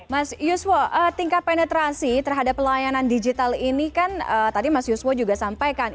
mas yuswo tingkat penetrasi terhadap pelayanan digital ini kan tadi mas yuswo juga sampaikan